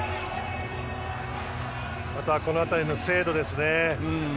あとはこの辺りの精度ですね。